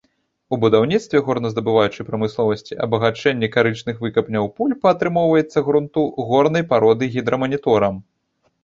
У будаўніцтве, горназдабываючай прамысловасці, абагачэнні карычных выкапняў пульпа атрымоўваецца грунту, горнай пароды гідраманіторам.